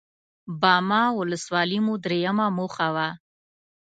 باما ولسوالي مو درېيمه موخه وه.